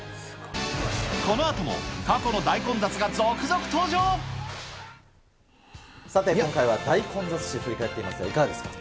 このあとも、さて、今回は大混雑史、振り返っていますが、いかがですか？